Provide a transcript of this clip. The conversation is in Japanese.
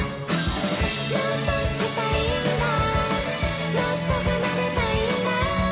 「もっと弾きたいんだもっと奏でたいんだ」